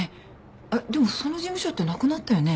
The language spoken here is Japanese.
あっでもその事務所ってなくなったよね？